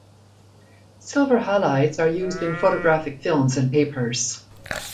Silver halides are used in photographic films and papers.